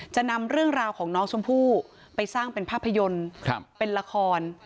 จะนำเรื่องราวของน้องชมพู่ไปสร้างเป็นภาพยนตร์เป็นละคร